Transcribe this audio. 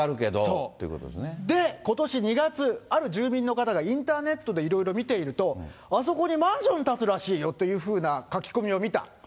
そう、で、ことし２月、ある住民の方がインターネットでいろいろ見ていると、あそこにマンション建つらしいよというふうな書き込みを見た。